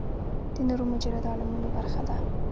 د نورو مجرده عالمونو برخه ده.